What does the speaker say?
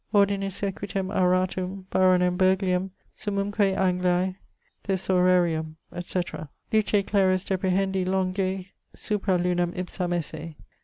ordinis equitem auratum, baronem Burghleium, summumque Angliae Thesaurarium,' etc. luce clarius deprehendi longè supra lunam ipsam esse.